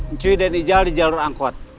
encuy dan ijal di jalur angkot